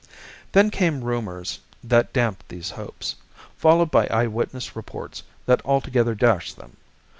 Then came rumors that damped these hopes, followed by eye witness reports that altogether dashed them.